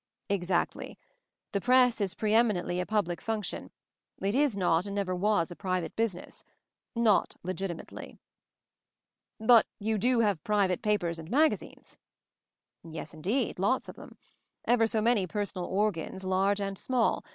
"Exactly. The Press is pre eminently a public function — it is not and never was a private business — not legitimately." "But you do have private papers and magazines ?" "Yes indeed, lots of them. Ever so many personal 'organs/ large and small.